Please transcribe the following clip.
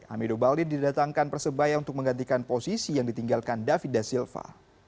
amido balin didatangkan persebaya untuk menggantikan posisi yang ditinggalkan david da silva